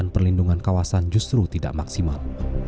perlindungan kawasan justru tidak maksimal